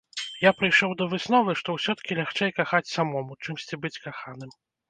Я прыйшоў да высновы, што ўсё-ткі лягчэй кахаць самому, чымсьці быць каханым.